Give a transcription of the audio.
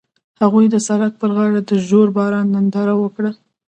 هغوی د سړک پر غاړه د ژور باران ننداره وکړه.